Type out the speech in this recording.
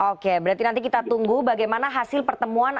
oke berarti nanti kita tunggu bagaimana hasil pertemuan